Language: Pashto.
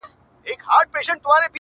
هم رامنځته کړي